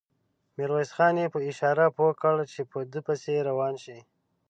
ميرويس خان يې په اشاره پوه کړ چې په ده پسې روان شي.